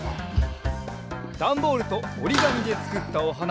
だんボールとおりがみでつくったおはな